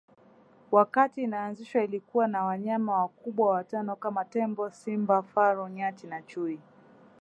Wakati inaanzishwa ilikuwa na wanyama wakubwa watano kama tembo simba faru nyati na chui